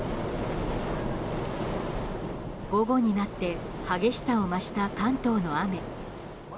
午後になって激しさを増した関東の雨。